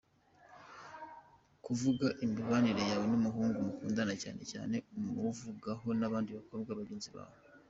Kuvuga imibanire yawe n’umuhungu mukundana cyane cyane umuvugaho n’abandi bakobwa bagenzi bawe.